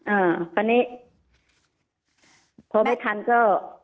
อ่าคราวนี้พอไม่ทันก็